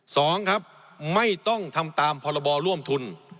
สองครับไม่ต้องทำตามพรบร่วมทุน